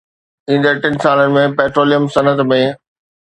ايندڙ ٽن سالن ۾ پيٽروليم صنعت ۾